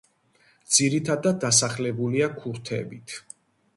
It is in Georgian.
ძირითადად დასახლებულია ქურთებით.